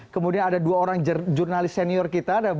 kemudian ada dua orang jurnalis senior kita ada bang asro